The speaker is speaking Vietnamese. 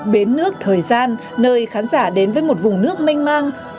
bến nước thời gian nơi khán giả đến với một vùng nước manh mang